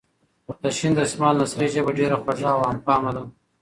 د شین دسمال نثري ژبه ډېره خوږه ،عام فهمه.